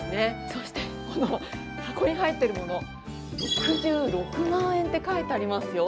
そして、この箱に入っているもの、６６万円って書いてありますよ。